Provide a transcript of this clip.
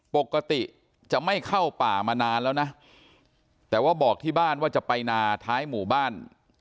ปกติจะไม่เข้าป่ามานานแล้วนะแต่ว่าบอกที่บ้านว่าจะไปนาท้ายหมู่บ้าน